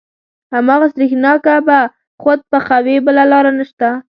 هماغه سرېښناکه به خود پخوې بله لاره نشته.